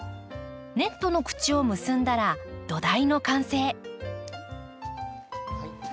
ネットの口を結んだら土台の完成。